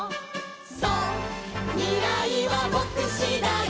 「そうみらいはぼくしだい」